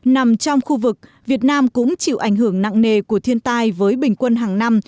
nằm trong khu vực việt nam cũng chịu ảnh hưởng nặng nề của thiên tai với bình quân hàng năm